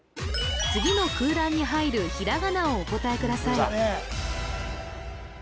次の空欄に入るひらがなをお答えください